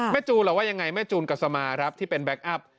แม่จูนหรือว่าอย่างไรแม่จูนกับสมาร์ที่เป็นแบ็คอัพ